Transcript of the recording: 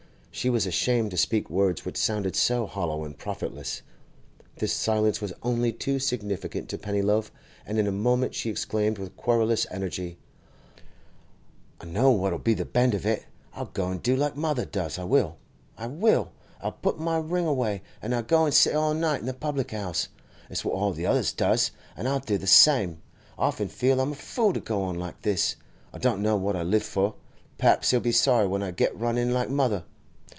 She was ashamed to speak words which sounded so hollow and profitless. This silence was only too significant to Pennyloaf, and in a moment she exclaimed with querulous energy: 'I know what'll be the bend of it! I'll go an' do like mother does—I will! I will! I'll put my ring away, an' I'll go an' sit all night in the public 'ouse! It's what all the others does, an' I'll do the same. I often feel I'm a fool to go on like this. I don't know what I live for, P'r'aps he'll be sorry when I get run in like mother.